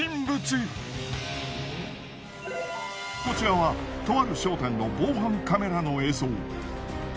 こちらはとある商店の防犯カメラの映像。